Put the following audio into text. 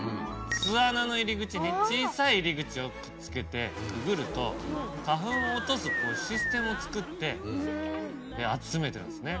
巣穴の入り口に小さい入り口をくっつけてくぐると花粉を落とすシステムをつくって集めてるんですね。